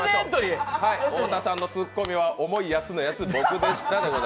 太田さんのツッコミは「重いやつのやつ僕でした」。